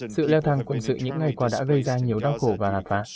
sự leo thang quận sự những ngày qua đã gây ra nhiều đau khổ và hạt vã